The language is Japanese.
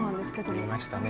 やりましたね。